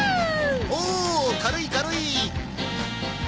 おお軽い軽い！